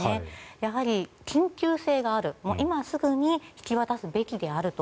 やはり緊急性がある今すぐに引き渡すべきであると。